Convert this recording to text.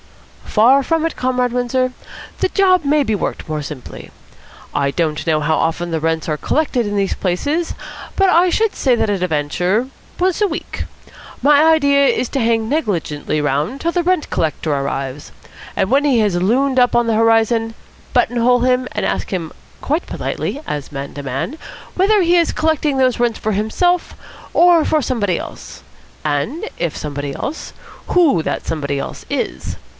"Far from it, Comrade Windsor. The job may be worked more simply. I don't know how often the rents are collected in these places, but I should say at a venture once a week. My idea is to hang negligently round till the rent collector arrives, and when he has loomed up on the horizon, buttonhole him and ask him quite politely, as man to man, whether he is collecting those rents for himself or for somebody else, and if somebody else, who that somebody else is.